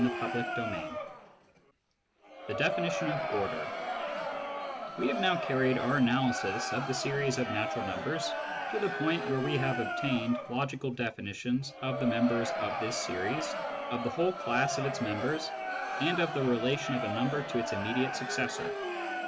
CHAPTER IV THE DEFINITION OF ORDER We have now carried our analysis of the series of natural numbers to the point where we have obtained logical definitions of the members of this series, of the whole class of its members, and of the relation of a number to its immediate successor.